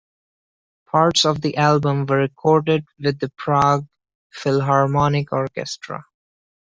Parts of the album were recorded with the Prague Philharmonic Orchestra.